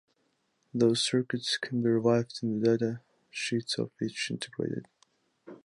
Those circuits can be reviewed in the data sheets of each integrated.